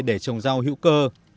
để trồng rau hữu cơ